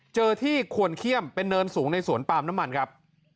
เจอที่ควรเขี้ยมเป็นเนินสูงในสวนปาล์มน้ำมันครับ